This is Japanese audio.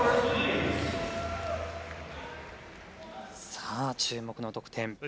さあ注目の得点。